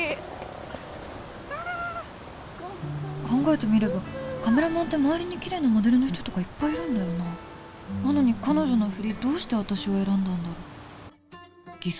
考えてみればカメラマンってまわりにキレイなモデルの人とかいっぱいいるんだよななのに彼女のフリどうして私を選んだんだろう？